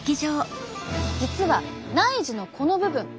実は内耳のこの部分。